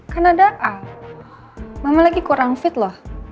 kan ada mama lagi kurang fit loh